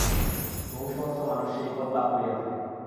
বহু সহস্র মানুষ সেই পদ লাভ করিয়া থাকে।